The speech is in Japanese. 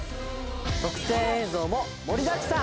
特典映像も盛りだくさん！